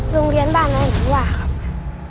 โรงเรียนบ้านน้อยนี่ว่ะ